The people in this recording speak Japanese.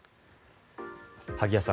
萩谷さん